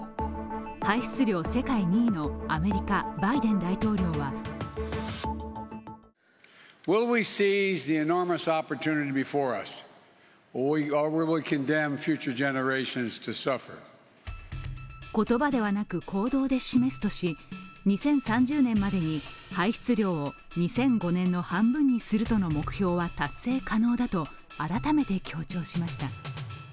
排出量世界２位のアメリカ・バイデン大統領は言葉ではなく行動で示すとし、２０３０年までに排出量を２００５年の半分にするとの目標は達成可能だと改めて強調しました。